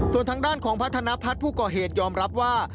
ส่วนทางด้านของพัฒนพัฒน์ผู้ก่อเหตุยอมรับว่า